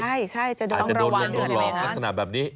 ใช่จะต้องระวังอาจจะโดนหลอกภาษณะแบบนี้